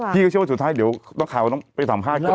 เชื่อว่าสุดท้ายเดี๋ยวต้องข่าวต้องไปสัมภาษณ์ก่อน